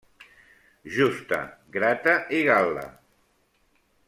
Justa, Grata i Gal·la.